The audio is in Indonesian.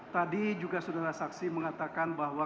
tadi juga saudara saksi mengatakan bahwa